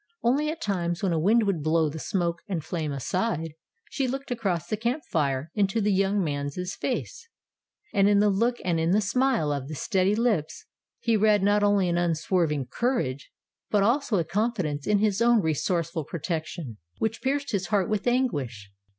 Only at times, when a wind would blow the smoke and flame aside, she looked across the camp fire into the young man's face, and in the look and in the smile of the steady lips he read not only an unswerving courage, but also a confidence in his own resourceful protection, which pierced his heart with anguish.